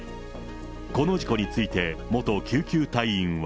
この事故について、元救急隊員は。